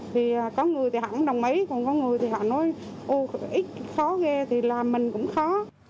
thì có người thì họ không đồng ý còn có người thì họ nói ít khó ghê thì làm mình cũng khó